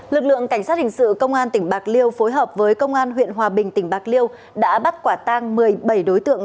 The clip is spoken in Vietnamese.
lực lượng cảnh sát hình sự công an tỉnh bạc liêu phối hợp với công an huyện hòa bình tỉnh bạc liêu đã bắt quả tang một mươi bảy đối tượng